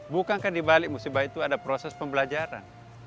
bukankah di balik musibah itu ada proses pembelajaran